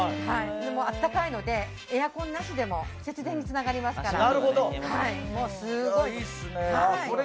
暖かいのでエアコンなしでも節電につながりますから。